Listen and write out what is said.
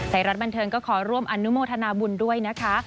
ไทยรัฐบันเทิงก็ขอร่วมอนุโมทนาบุญด้วยนะคะ